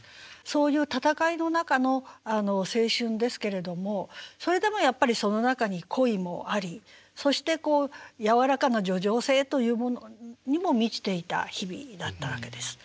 そういう戦いの中の青春ですけれどもそれでもやっぱりその中に恋もありそしてこう柔らかな叙情性というものにも満ちていた日々だったわけです。